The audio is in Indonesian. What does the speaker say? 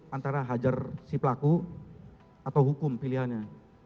antara hajar si pelaku atau hukum pilihannya